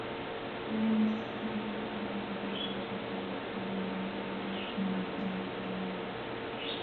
وَلَئِنْ مَسَّتْهُمْ نَفْحَةٌ مِنْ عَذَابِ رَبِّكَ لَيَقُولُنَّ يَا وَيْلَنَا إِنَّا كُنَّا ظَالِمِينَ